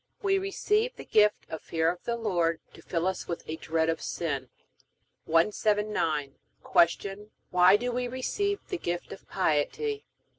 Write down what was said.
We receive the gift of Fear of the Lord to fill us with a dread of sin. 179. Q. Why do we receive the gift of Piety?